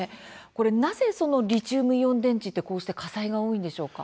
なぜリチウムイオン電池はこうした火災が多いんでしょう。